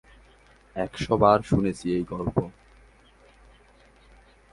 একশ বার শুনেছি এই গল্প।